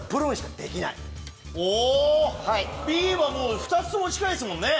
Ｂは２つとも近いですもんね。